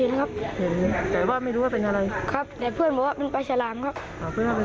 จะงิ้มแล้วเขาก็จักเท้าขึ้นมาเลย